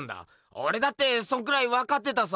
オレだってそんくらいわかってたさ！